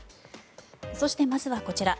そして、まずはこちら。